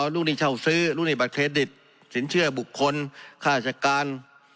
ลูกหนี้เช่าซื้อลูกหนี้บัตเครดิตสินเชื่อบุคคลค่าราชการ